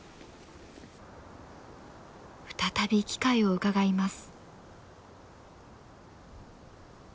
再び機会をうかがいます。